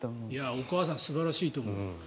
お母さん素晴らしいと思う。